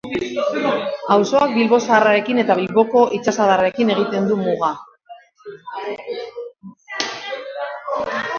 Auzoak Bilbo Zaharrarekin eta Bilboko itsasadarrarekin egiten du muga.